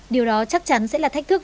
điều đó chắc chắn sẽ là thách thức